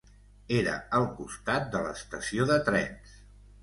Era al costat de l’estació de trens.